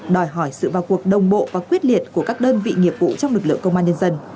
đòi hỏi sự vào cuộc đồng bộ và quyết liệt của các đơn vị nghiệp vụ trong lực lượng công an nhân dân